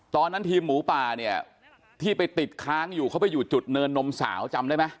ตอนนั้นทีมหมูป่าเนี่ยที่ไปติดค้างอยู่เขาไปอยู่จุดเนินนมสาวจำได้ไหม